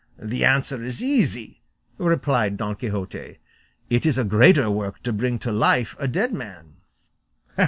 "The answer is easy," replied Don Quixote; "it is a greater work to bring to life a dead man."